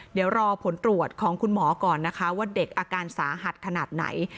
เดี๋ยวรอผลตรวจของคุณหมอก่อนนะคะว่าเด็กอาการสาหัสขนาดไหน